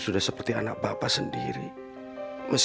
nanti kita permetang agak agak times